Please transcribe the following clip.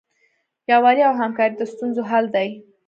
یووالی او همکاري د ستونزو حل دی.